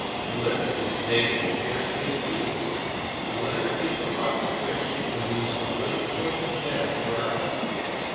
a liberty which they can scarcely abuse, a liberty the loss of which will do so little good to them or us.